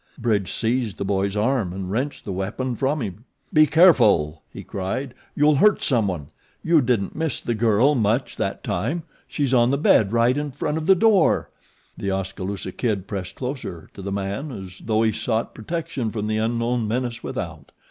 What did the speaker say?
Bridge seized the boy's arm and wrenched the weapon from him. "Be careful!" he cried. "You'll hurt someone. You didn't miss the girl much that time she's on the bed right in front of the door." The Oskaloosa Kid pressed closer to the man as though he sought protection from the unknown menace without.